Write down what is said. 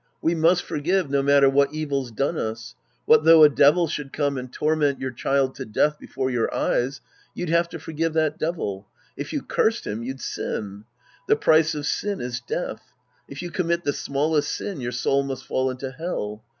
We must forgive, no matter what evil's flone us. What though a devil should come and torment your child to death before your eyes, you'd have to forgive that devil. If you cursed him, you'd sin. The price of sin is death. If you commit the smallest sin, your soul must fall into Hell.